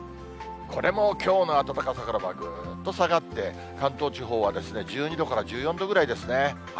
これも、きょうの暖かさからはぐーんと下がって、関東地方は１２度から１４度ぐらいですね。